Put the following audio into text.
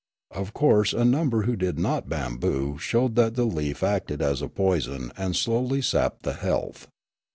Of course a number who did not bamboo showed that the leaf acted as a poison and slowly sapped the health.